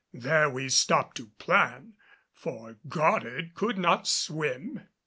There we stopped to plan, for Goddard could not swim.